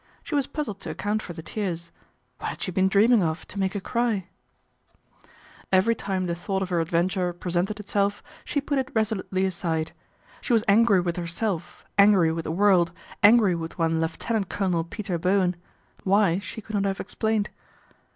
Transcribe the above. She was puzzled to account for the tears. What had she been dreaming of to make her cry ? Every time the thought of her adventure pre 43 44 PATRICIA BRENT, SPINSTER sented itself, she put it resolutely aside. She was angry with herself, angry with the world, angry with one Lieutenant Colonel Peter Bowen. Why, she could not have explained.